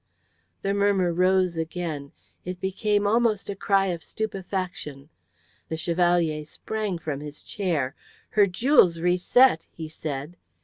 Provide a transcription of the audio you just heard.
The murmur rose again; it became almost a cry of stupefaction. The Chevalier sprang from his chair. "Her jewels reset!" he said.